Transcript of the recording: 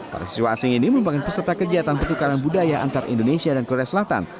para siswa asing ini membangun peserta kegiatan pertukaran budaya antar indonesia dan korea selatan